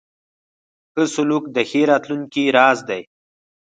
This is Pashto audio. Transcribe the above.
ښه سلوک د ښې راتلونکې راز دی.